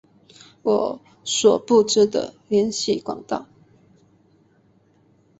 我所不知的联系管道